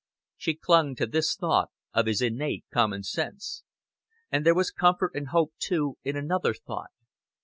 She clung to this thought of his innate common sense. And there was comfort and hope, too, in another thought.